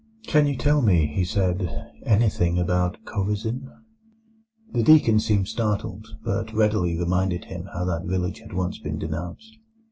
"Can you tell me," he said, "anything about Chorazin?" The deacon seemed startled, but readily reminded him how that village had once been denounced.